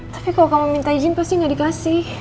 tapi kalau kamu minta izin pasti gak dikasih